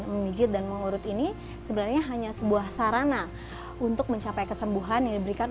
memijit dan mengurut ini sebenarnya hanya sebuah sarana untuk mencapai kesembuhan yang diberikan